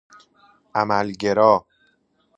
عملگرا